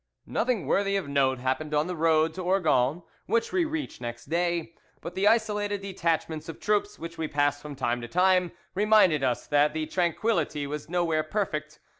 "Nothing worthy of note happened on the road to Orgon, which we reached next day; but the isolated detachments of troops which we passed from time to time reminded us that the tranquillity was nowhere perfect.